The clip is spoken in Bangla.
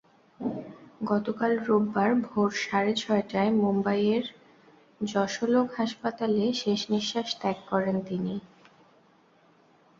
গতকাল রোববার ভোর সাড়ে ছয়টায় মুম্বাইয়ের যশোলোক হাসপাতালে শেষনিঃশ্বাস ত্যাগ করেন তিনি।